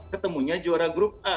ketemunya juara grup a